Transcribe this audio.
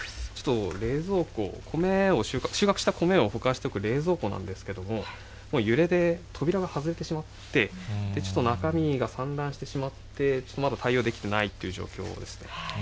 ちょっと、冷蔵庫、収穫した米を保管しておく冷蔵庫なんですけれども、もう揺れで扉が外れてしまって、ちょっと中身が散乱してしまって、まだ対応できてないという状況ですね。